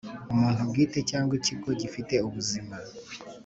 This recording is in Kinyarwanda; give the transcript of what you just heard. Umuntu bwite cyangwa ikigo gifite ubuzima